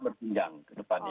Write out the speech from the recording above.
berkembang ke depannya